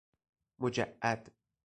مجعد